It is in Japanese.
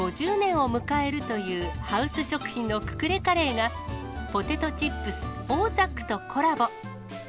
５０年を迎えるという、ハウス食品のククレカレーが、ポテトチップス、オー・ザックとコラボ。